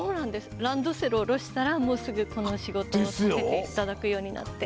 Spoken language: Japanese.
ランドセル下ろしたらすぐこの仕事させていただくようになって。